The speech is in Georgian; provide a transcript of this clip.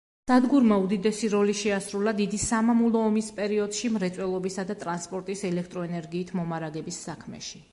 სადგურმა უდიდესი როლი შეასრულა დიდი სამამულო ომის პერიოდში მრეწველობისა და ტრანსპორტის ელექტროენერგიით მომარაგების საქმეში.